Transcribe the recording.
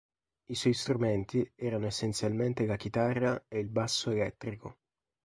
I suoi strumenti erano essenzialmente la chitarra e il basso elettrico.